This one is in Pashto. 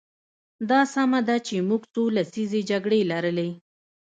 دا سمه ده چې موږ څو لسیزې جګړې لرلې.